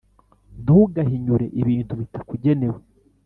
Ntugahinyure ibintu bitakugenewe,